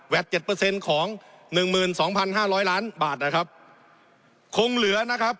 เจ็ดเปอร์เซ็นต์ของหนึ่งหมื่นสองพันห้าร้อยล้านบาทนะครับคงเหลือนะครับ